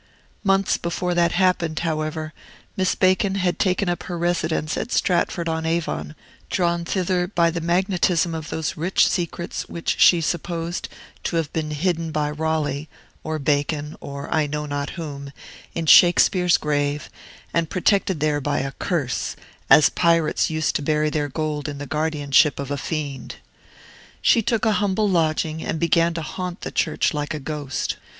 Months before that happened, however, Miss Bacon had taken up her residence at Stratford on Avon, drawn thither by the magnetism of those rich secrets which she supposed to have been hidden by Raleigh, or Bacon, or I know not whom, in Shakespeare's grave, and protected there by a curse, as pirates used to bury their gold in the guardianship of a fiend. She took a humble lodging and began to haunt the church like a ghost.